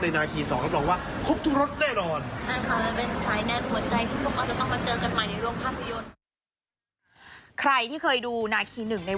ในนาที๒ครับบอกว่าคบทุรสแน่นอน